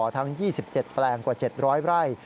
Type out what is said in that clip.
ทั้ง๒๗แปลงกว่า๗๐๐ไร่